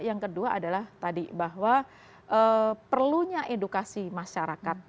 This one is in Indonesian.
yang kedua adalah tadi bahwa perlunya edukasi masyarakat